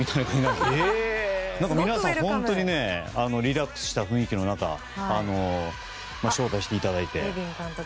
皆さん、本当にリラックスした雰囲気の中招待していただいて。